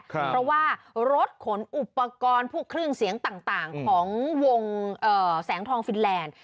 เพราะว่ารถขนอุปกรณ์พวกเครื่องเสียงต่างของวงแสงทองฟินแลนด์